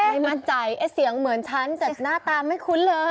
ไม่มั่นใจเอ๊ะเสียงเหมือนฉันแต่หน้าตาไม่คุ้นเลย